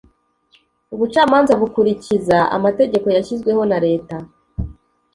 Ubucamanza bukurikiza amategeko yashyizweho na leta